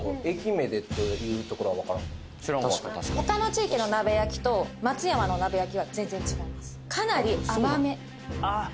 知らんわ他の地域の鍋焼きと松山の鍋焼きは全然違いますあっ